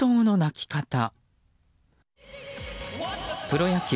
プロ野球